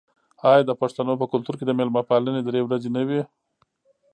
آیا د پښتنو په کلتور کې د میلمه پالنه درې ورځې نه وي؟